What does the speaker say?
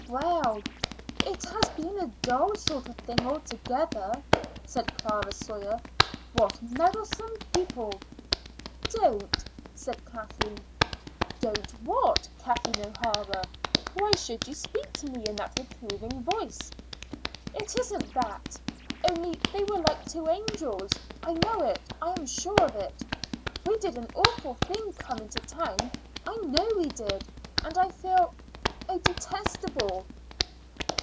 "Well, it has been a dull sort of thing altogether," said Clara Sawyer. "What meddlesome people!" "Don't!" said Kathleen. "Don't what, Kathleen O'Hara? Why should you speak to me in that reproving voice?" "It isn't that; only they were like two angels. I know it; I am sure of it. We did an awful thing coming to town; I know we did, and I feel oh, detestable!"